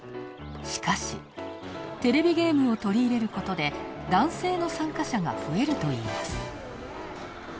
しかし、テレビゲームを取り入れることで男性の参加者が増えるといいます。